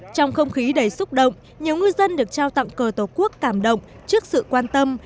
trong không khí đầy xúc động nhiều ngư dân được trao tặng cờ tổ quốc cảm động trước sự quan tâm